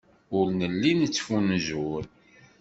Ur nelli nettfunzur.